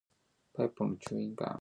¡Aih!